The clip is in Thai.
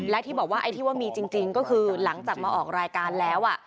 และที่บอกว่าไอ้ที่ว่ามีจริงก็คือหลังจากมาออกรายการแล้ว